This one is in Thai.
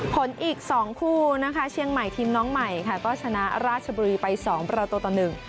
ผลอีก๒คู่นะคะเชียงใหม่ทีมน้องใหม่ค่ะก็ชนะราชบุรีไป๒ประโลตัวต่อ๑